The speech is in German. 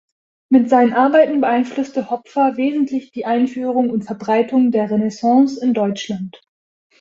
Mit seinen Arbeiten beeinflusste Hopfer wesentlich die Einführung und Verbreitung der Renaissance in Deutschland.